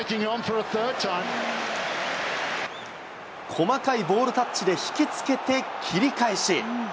細かいボールタッチで引きつけて切り返し。